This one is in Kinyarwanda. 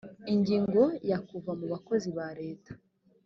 ingingo ya kuva mu bakozi ba leta